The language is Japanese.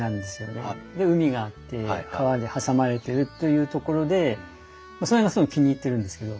で海があって川で挟まれてるというところでそれがすごい気に入ってるんですけど。